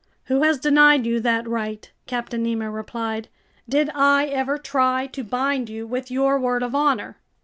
"Who has denied you that right?" Captain Nemo replied. "Did I ever try to bind you with your word of honor?"